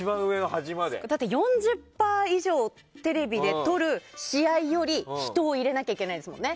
４０％以上テレビでとる試合より人を入れなきゃいけないですもんね。